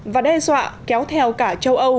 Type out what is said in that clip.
và đe dọa kéo theo cả châu âu